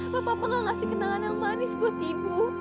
kenapa saya tidak memberi kenangan yang manis untuk ibu